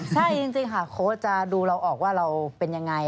ใช่จริงค่ะโค้ชจะดูเราออกว่าเราเป็นยังไง